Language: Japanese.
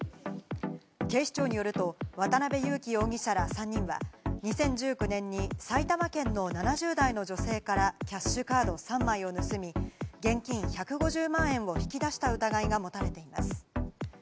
警視庁によると渡辺優樹容疑者ら３人は、２０１９年に埼玉県の７０代の女性からキャッシュカード３枚を盗み、現金１５０万円を引き出した疑いが持たれています。